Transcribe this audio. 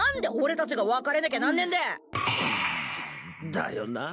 だよなぁ。